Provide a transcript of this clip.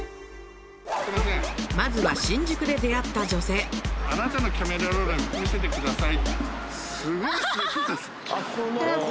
まずは新宿で出会った女性あなたのキャメラロール見せてください